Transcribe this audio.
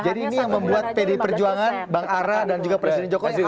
jadi ini yang membuat pd perjuangan bang ara dan presiden jokowi